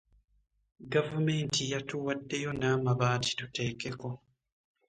Gavumenti yatuwaddeyo n'amabaati tuteekeko.